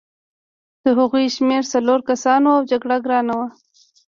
د هغوی شمېر څلور کسان وو او جګړه ګرانه وه